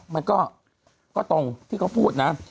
มันก็ตรงที่เขาพูดนะ